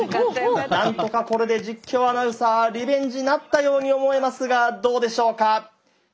なんとかこれで実況アナウンサーリベンジなったように思えますがどうでしょうか。